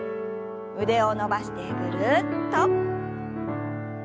腕を伸ばしてぐるっと。